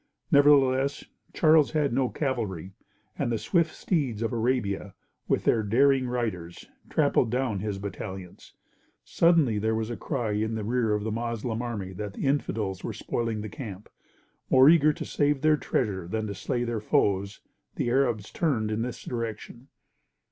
Nevertheless, Charles had no cavalry; and the swift steeds of Arabia, with their daring riders, trampled down his battalions. Suddenly there was a cry in the rear of the Moslem army that the infidels were spoiling the camp. More eager to save their treasure than to slay their foes, the Arabs turned in this direction.